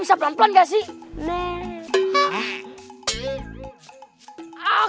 siapa yang kasih menda